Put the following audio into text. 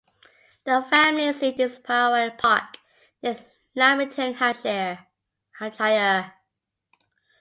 The family seat is Pylewell Park, near Lymington, Hampshire.